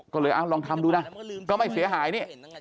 ก็เลยลองทำดูนะก็ไม่เสียหายนี่